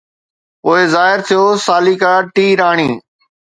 پوءِ ظاهر ٿيو ساليڪا ٽي راڻي